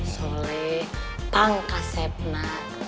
soleh tangkas sepna